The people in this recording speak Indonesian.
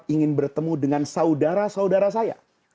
ingin bertemu dengan saudara saudara saya